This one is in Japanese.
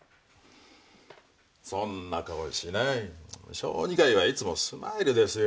そんな顔しない小児科医はいつもスマイルですよ